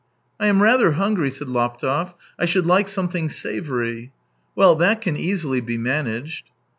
" I am rather hungry," said Laptev. " I should like something savoury." " Well, that can easily be managed."